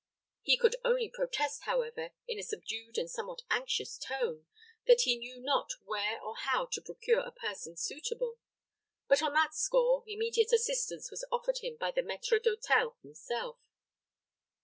He could only protest, however, in a subdued and somewhat anxious tone, that he knew not where or how to procure a person suitable; but, on that score, immediate assistance was offered him by the maître d'hôtel himself.